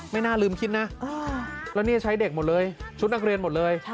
น่าลืมคิดนะแล้วนี่ใช้เด็กหมดเลยชุดนักเรียนหมดเลย